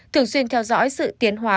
thường xuyên theo dõi sự tiến hóa